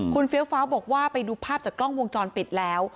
คุณเฟี้ยวฟ้าวบอกว่าไปดูภาพจากกล้องวงจรปิดแล้ว